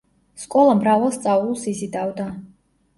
სკოლა მრავალ სწავლულს იზიდავდა.